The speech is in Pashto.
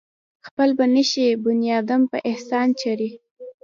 خپل به نشي بنيادم پۀ احسان چرې